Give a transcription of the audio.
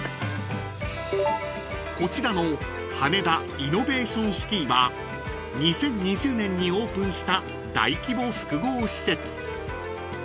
［こちらの羽田イノベーションシティは２０２０年にオープンした大規模複合施設］